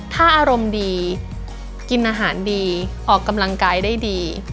ถ้าอารมณ์ดีกินอาหารดีออกกำลังกายได้ดี